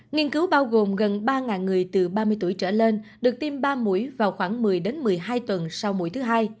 nghiên cứu bao gồm gần ba người từ ba mươi tuổi trở lên được tiêm ba mũi vào khoảng một mươi một mươi hai tuần sau mũi thứ hai